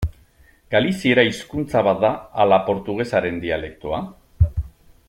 Galiziera hizkuntza bat da ala portugesaren dialektoa?